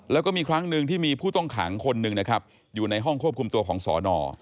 แล้วก็มีครั้งหนึ่งที่มีผู้ต้องขังคนหนึ่งนะครับอยู่ในห้องควบคุมตัวของสอนอ